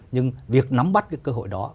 nhưng việc nắm bắt cái cơ hội đó